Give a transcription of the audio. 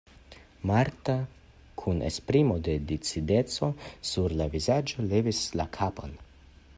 Marta kun esprimo de decideco sur la vizaĝo levis la kapon.